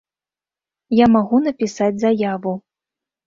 Я магу напісаць заяву.